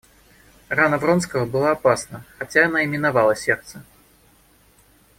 Рана Вронского была опасна, хотя она и миновала сердце.